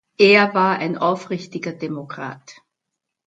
Er war ein aufrichtiger Demokrat.